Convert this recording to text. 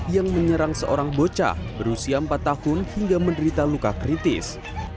yang menyerang seorang bocah berusia empat tahun hingga menderita luka kritis